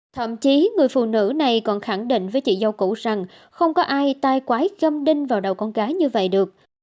thậm chí người phụ nữ này còn khẳng định với chị dâu cũ rằng không có ai tai quái châm đinh vào đầu con gái như vậy được